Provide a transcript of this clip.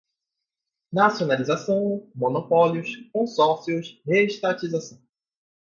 Nacionalização, monopólios, consórcios, reestatização